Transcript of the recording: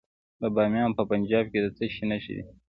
د بامیان په پنجاب کې د څه شي نښې دي؟